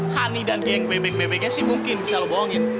honey dan geng bebek bebeknya sih mungkin bisa lo bohongin